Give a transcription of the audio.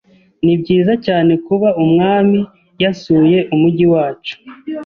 Nibyiza cyane kuba Umwami yasuye umujyi wacu.